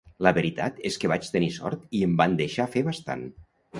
La veritat és que vaig tenir sort i em van deixar fer bastant.